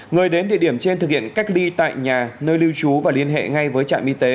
người đến địa điểm trên thực hiện cách ly tại nhà nơi lưu trú và liên hệ ngay với trạm y tế